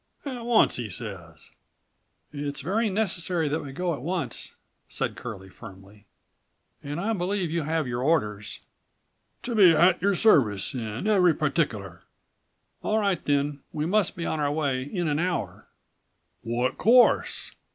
At once, 'e says!" "It's very necessary that we go at once," said Curlie firmly, "and I believe you have your orders." "To be hat your service in hevery particular." "All right then, we must be on our way in an hour." "Wot course?"